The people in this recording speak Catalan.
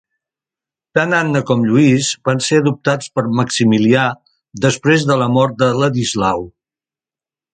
Tant Anna com Lluís van ser adoptats per Maximilià després de la mort de Ladislau.